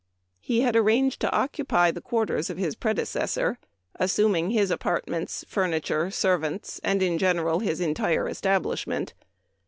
He had arranged to occupy the quarters of his predecessor, assum ing his apartments, furniture, servants, and, in general, the entire establishment.